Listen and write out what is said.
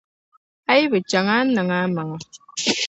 A yi bɛ chaŋ, a ni niŋ a maŋ.